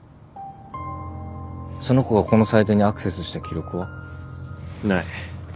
その子がこのサイトにアクセスした記録は？ない。